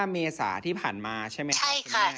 ๒๕เมษาที่ผ่านมาใช่ไหมครับคุณแม่